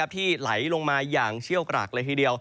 ที่ไหลลงมาอย่างเชี่ยวกรากเลยทีเดียว